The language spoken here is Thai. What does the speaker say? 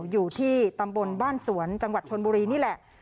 อยู่ที่ตำบลบ้านสวนจังหวัดชนบุรีนี่แหละ